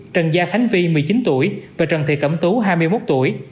trần gia khánh phi một mươi chín tuổi và trần thị cẩm tú hai mươi một tuổi